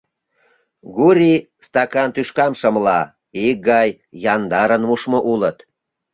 Гурий стакан тӱшкам шымла: икгай, яндарын мушмо улыт.